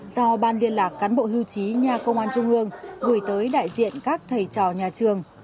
do ban liên lạc cán bộ hưu trí nhà công an trung ương gửi tới đại diện các thầy trò nhà trường